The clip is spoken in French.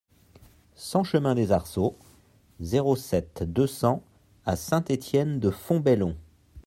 cent chemin des Arceaux, zéro sept, deux cents à Saint-Étienne-de-Fontbellon